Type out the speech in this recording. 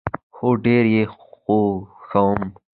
هو، ډیر یي خوښوم